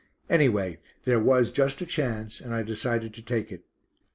15TH, 1916] Anyway there was just a chance, and I decided to take it.